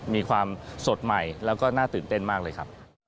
มีความสดใหม่แล้วก็น่าตื่นเต้นมากเลยครับ